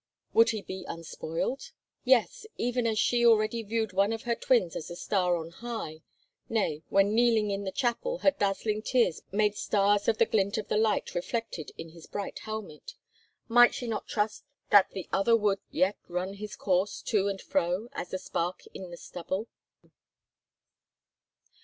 Would he be unspoiled? Yes, even as she already viewed one of her twins as the star on high—nay, when kneeling in the chapel, her dazzling tears made stars of the glint of the light reflected in his bright helmet—might she not trust that the other would yet run his course to and fro, as the spark in the stubble?